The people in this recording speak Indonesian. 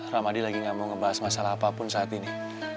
rahmadi lagi nggak mau ngebahas masalah apapun saat ini